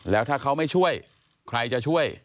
แล้วถ้าเขาไม่ช่วยใครจะช่วย